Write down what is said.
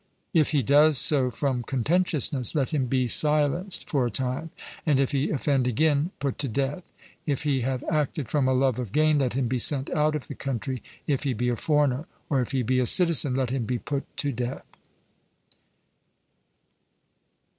If he does so from contentiousness, let him be silenced for a time, and, if he offend again, put to death. If he have acted from a love of gain, let him be sent out of the country if he be a foreigner, or if he be a citizen let him be put to death.